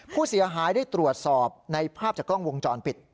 ผู้เสียหายได้ตรวจสอบในภาพจากกล้องวงจรปิด